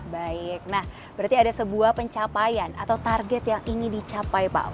baik nah berarti ada sebuah pencapaian atau target yang ingin dicapai pak